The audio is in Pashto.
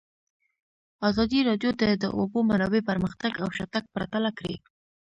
ازادي راډیو د د اوبو منابع پرمختګ او شاتګ پرتله کړی.